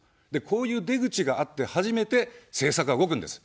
こういう出口があって初めて政策が動くんです。